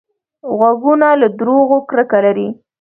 غوږونه له دروغو کرکه لري